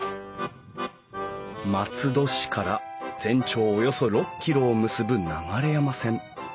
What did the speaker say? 松戸市から全長およそ６キロを結ぶ流山線。